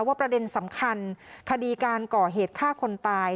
ประเด็นสำคัญคดีการก่อเหตุฆ่าคนตาย